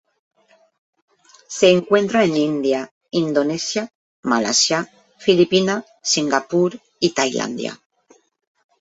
Se encuentra en India, Indonesia, Malasia, Filipinas, Singapur, y Tailandia.